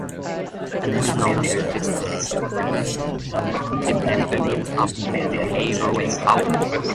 An image known as the "six kings" depicts the rulers of neighbouring powers.